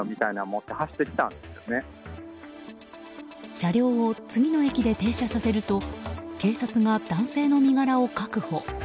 車両を次の駅で停車させると警察が男性の身柄を確保。